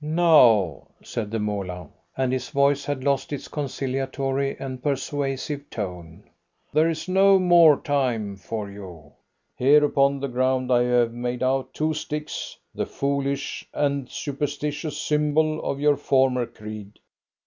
"Now," said the Moolah, and his voice had lost its conciliatory and persuasive tone, "there is no more time for you. Here upon the ground I have made out of two sticks the foolish and superstitious symbol of your former creed.